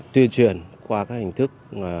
tuyên truyền qua các hình thức